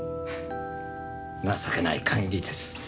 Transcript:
情けない限りです。